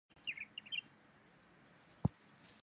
富士电视台为台湾电视公司的创始股东之一。